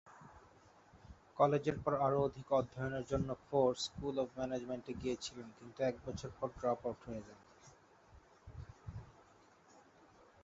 কলেজের পর আরো অধিক অধ্যয়নের জন্য ফোর স্কুল অব ম্যানেজমেন্ট এ গিয়েছিলেন কিন্তু এক বছর পর ড্রপ আউট হয়ে যান।